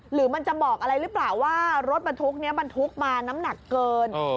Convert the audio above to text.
หรือมันจะบอกอะไรหรือเปล่าว่ารถบรรทุกนี้บรรทุกมาน้ำหนักเกิน